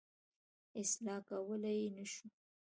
اصلاح کولای یې نه شو.